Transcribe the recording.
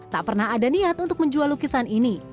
tak pernah ada niat untuk menjual lukisan ini